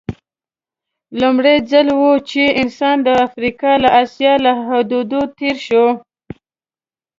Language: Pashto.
لومړی ځل و چې انسان د افریقا او اسیا له حدودو تېر شو.